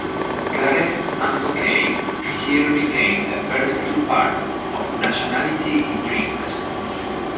"Claret and Tokay" here became the first two parts of "Nationality in Drinks".